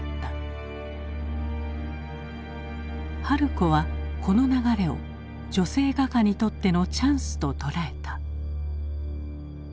春子はこの流れを女性画家にとってのチャンスと捉えた。